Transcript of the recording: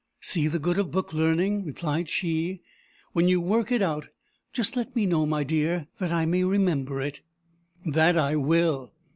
"See the good of book learning!" replied she. "When you work it out, just let me know, my dear, that I may remember it." "That I will."